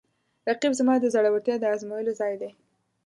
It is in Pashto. رقیب زما د زړورتیا د ازمویلو ځای دی